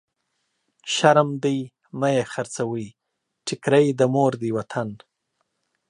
شرم دی مه يې خرڅوی، ټکری د مور دی وطن.